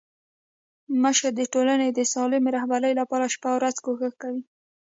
مشر د ټولني د سالمي رهبري لپاره شپه او ورځ کوښښ کوي.